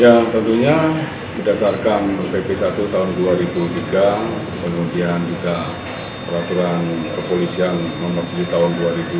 ya tentunya berdasarkan pp satu tahun dua ribu tiga kemudian juga peraturan kepolisian nomor tujuh tahun dua ribu dua puluh